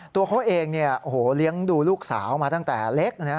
ตัวเขาเองเลี้ยงดูลูกสาวมาตั้งแต่เล็ก